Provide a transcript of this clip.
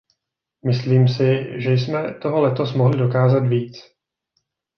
Myslím si, že jsme toho letos mohli dokázat víc.